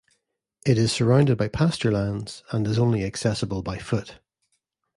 It is surrounded by pasturelands and is only accessible by foot.